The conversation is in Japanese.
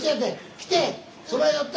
来て！